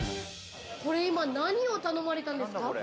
これ今、何を頼まれたんですか？